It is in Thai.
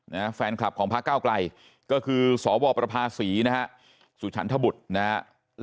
นะฮะแฟนคลับของพระเก้าไกลก็คือสวประภาษีนะฮะสุฉันทบุตรนะฮะ